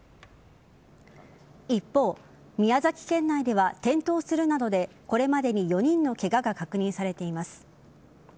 一方宮崎県内では転倒するなどでこれまでに４人のケガが確認されています。